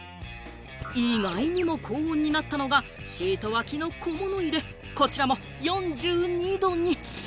意外にも高温になったのがシート脇の小物入れ、こちらも４２度に。